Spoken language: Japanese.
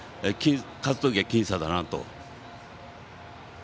勝つ時は僅差だなと。